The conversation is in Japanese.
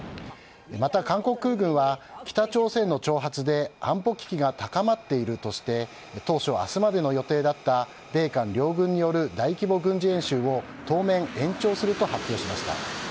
また韓国空軍は北朝鮮の挑発で安保危機が高まっているとして当初は明日までの予定だった米韓両軍による大規模軍事演習を当面延長すると発表しました。